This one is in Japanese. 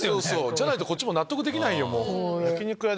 じゃないとこっちも納得できないよ。